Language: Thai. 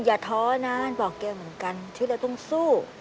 อย่าท้อนานบอกแกเหมือนกันชื่อแล้วต้องสู้